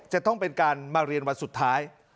จะต้องเป็นการมาเรียนวันสุดท้าย